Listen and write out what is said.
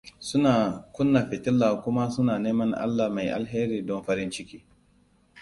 Suna kunna fitila kuma suna neman Allah mai alheri don farin ciki.